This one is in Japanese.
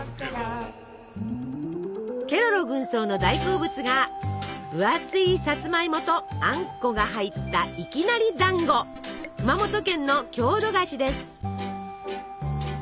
ケロロ軍曹の大好物が分厚いさつまいもとあんこが入った熊本県の郷土菓子です。